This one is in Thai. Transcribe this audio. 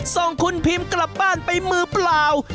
ส่งคุณพิมกลับบ้านไปมือเปล่า